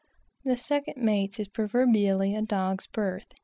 The second mate's is proverbially a dog's berth.